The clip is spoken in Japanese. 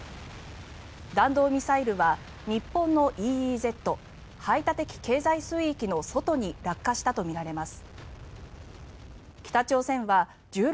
弾道ミサイルは、日本のＥＥＺ・排他的経済水域の外に落下したとみられます。